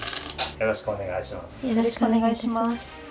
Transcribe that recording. よろしくお願いします。